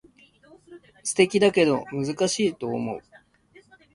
素敵だけど難しいと思う